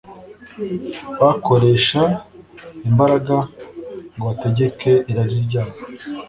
bakoresha imbaraga ngo bategeke irari ryabo